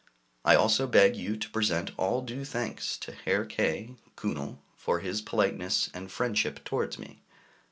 I also beg you to present all due thanks to Herr K. [Kühnel] for his politeness and friendship towards me.